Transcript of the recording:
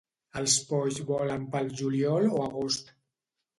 Els polls volen pel juliol o agost.